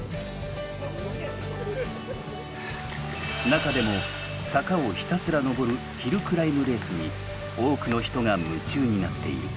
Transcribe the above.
中でも坂をひたすら上る「ヒルクライムレース」に多くの人が夢中になっている。